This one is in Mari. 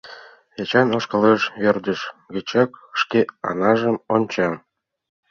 Эчан ошкылеш, ӧрдыж гычак шке аҥажым онча.